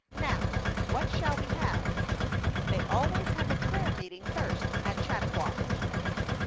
'* Now, what shall we have? They always have a prayer meeting first at Chautauqua."